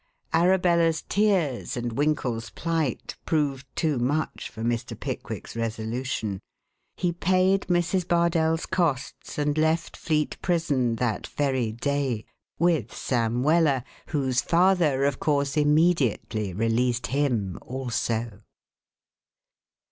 Arabella's tears and Winkle's plight proved too much for Mr. Pickwick's resolution. He paid Mrs. Bardell's costs and left Fleet Prison that very day, with Sam Weller, whose father, of course, immediately released him also.